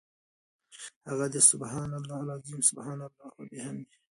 هغه دي سُبْحَانَ اللَّهِ العَظِيمِ، سُبْحَانَ اللَّهِ وَبِحَمْدِهِ .